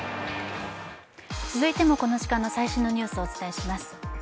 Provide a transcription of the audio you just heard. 続いてもこの時間の最新のニュースをお伝えします。